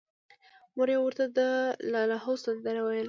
مور یې ورته د اللاهو سندره ویله